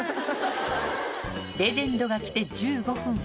レジェンドが来て１５分。